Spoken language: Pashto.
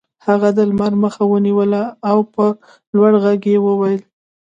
هغه د لمر مخه ونیوله او په لوړ غږ یې وویل